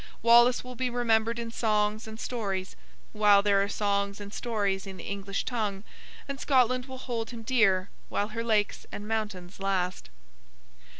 Wallace will be remembered in songs and stories, while there are songs and stories in the English tongue, and Scotland will hold him dear while her lakes and mountains last.